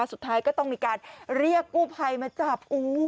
สุดท้ายก็ต้องมีการเรียกกู้ภัยมาจับ